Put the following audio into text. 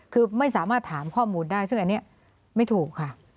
คือไม่สามารถถามข้อมูลได้ซึ่งอันนี้ไม่ถูกค่ะ